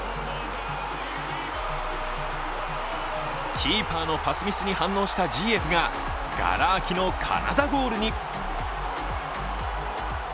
キーパーのパスミスに反応したジイェフががら空きのカナダゴールに！